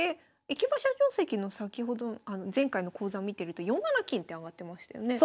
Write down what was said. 駅馬車定跡の先ほど前回の講座を見てると４七金って上がってましたよね。